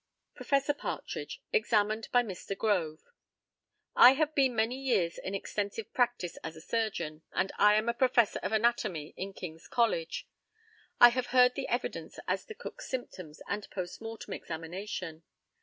Professor PARTRIDGE, examined by Mr. GROVE: I have been many years in extensive practice as a surgeon, and I am a Professor of Anatomy in King's College. I have heard the evidence as to Cook's symptoms and post mortem, examination.